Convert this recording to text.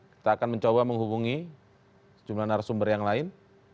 kita akan mencoba menghubungi sejumlah narasumber yang lain